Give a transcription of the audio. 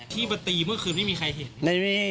ที่ปฏีเมื่อกึ่งไม่มีใครเห็น